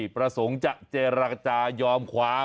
ประสงค์จะเจรจายอมความ